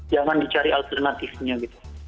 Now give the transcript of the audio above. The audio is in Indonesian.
jangan dicari alternatifnya gitu